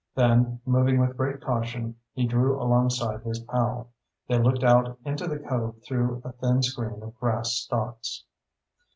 Then, moving with great caution, he drew alongside his pal. They looked out into the cove through a thin screen of grass stalks.